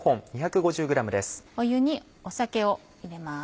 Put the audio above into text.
湯に酒を入れます。